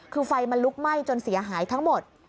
คือไฟมันลุกไหม้จนเสียหายทั้งหมด